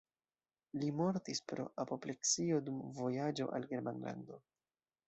Li mortis pro apopleksio dum vojaĝo al Germanlando.